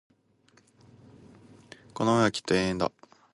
この思いはきっと永遠だ